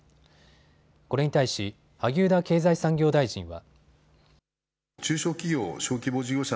これに対し萩生田経済産業大臣は。